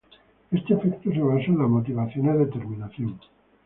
Este efecto se basa en las motivaciones de terminación.